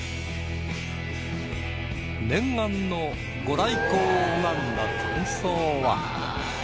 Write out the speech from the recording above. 念願のご来光を拝んだ感想は？